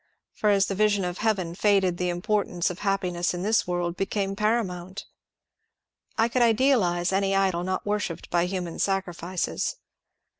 For as the vision of heaven faded the importance of happiness in this world became paramount. I could idealize any idol not worshipped by human sacrifices.